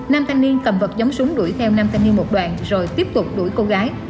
nam thanh niên cầm vật giống súng đuổi theo năm thanh niên một đoàn rồi tiếp tục đuổi cô gái